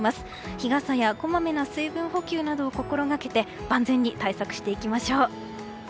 日傘やこまめな水分補給を心掛け万全に対策していきましょう。